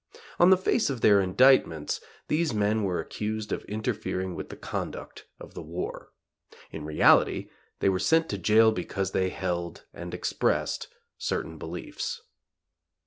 On the face of their indictments these men were accused of interfering with the conduct of the war; in reality they were sent to jail because they held and expressed certain beliefs.